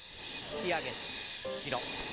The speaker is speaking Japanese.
引き上げて後ろ。